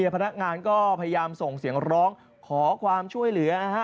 พนักงานก็พยายามส่งเสียงร้องขอความช่วยเหลือนะฮะ